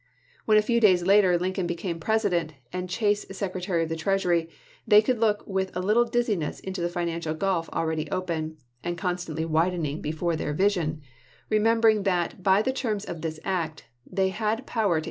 When a few days later Lincoln became President, and Chase Secretary of the Treasury, they could look with a little less dizziness into the financial gulf already open, and constantly widening before their vision, remembering that by the terms of this act Bayley, "U.S.